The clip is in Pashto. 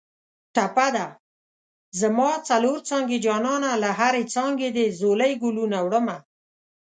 ټپه ده: زما څلور څانګې جانانه له هرې څانګې دې ځولۍ ګلونه وړمه